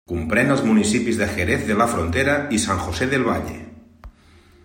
Comprèn els municipis de Jerez de la Frontera i San José del Valle.